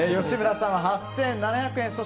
吉村さんは８７００円。